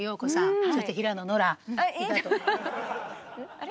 あれ？